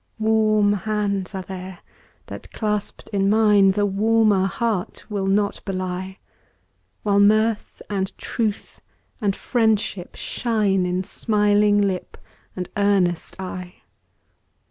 Warm hands are there, that, clasped in mine, The warmer heart will not belie; While mirth, and truth, and friendship shine In smiling lip and earnest eye.